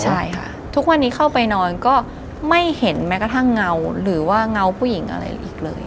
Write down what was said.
ใช่ค่ะทุกวันนี้เข้าไปนอนก็ไม่เห็นแม้กระทั่งเงาหรือว่าเงาผู้หญิงอะไรอีกเลย